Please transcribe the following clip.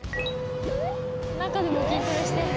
「中でも筋トレしてるの？」